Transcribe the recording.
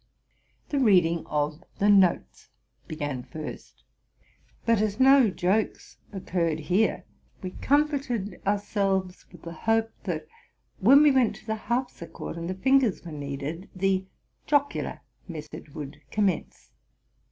The reading of the notes began first; but, as no jokes occurred here, we comforted ourselves with the hope, that when we went to the harpsichord, and the fingers were needed, the jocular method would commence.